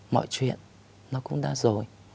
mọi chuyện nó cũng đã rồi